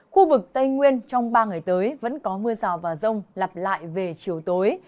khu vực tây nguyên trong ba ngày tới vẫn có mưa rào và rông lặp lại về chiều tối